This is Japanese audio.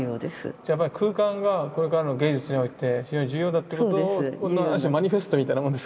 じゃあやっぱり空間がこれからの芸術において非常に重要だということをある種マニフェストみたいなもんですか。